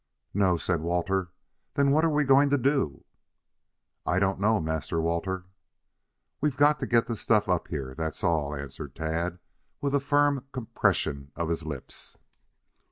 "No!" said Walter. "Then what are we going to do?" "I don't know, Master Walter." "We've got to get the stuff up here, that's all," answered Tad, with a firm compression of the lips.